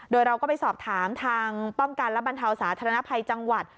โดยเราก็ไปสอบถามทางป้องกันและบรรเทาสาธารณภัยจังหวัด